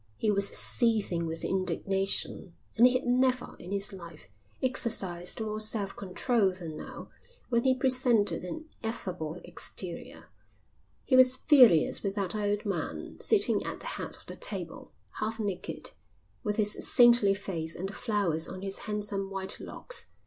He was seething with indignation, and he had never in his life exercised more self control than now when he presented an affable exterior. He was furious with that old man, sitting at the head of the table, half naked, with his saintly face and the flowers on his handsome white locks.